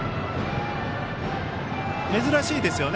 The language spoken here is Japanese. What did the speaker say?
珍しいですよね。